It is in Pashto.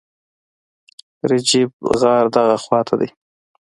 رجیب، غار دغه خواته دی.